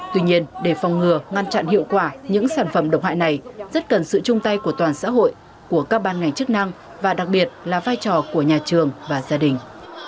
tuy nhiên để phòng ngừa ngăn chặn hiệu quả những sản phẩm độc hại này rất cần sự chung tay của toàn xã hội của các ban ngành chức năng và đặc biệt là vai trò của nhà trường và gia đình